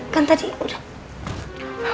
kan tadi udah